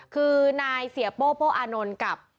คือนายเสียโป้โป้อานนท์กับ